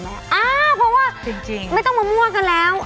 อ้าเพราะไม่ต้องมามั่วกันแล้ว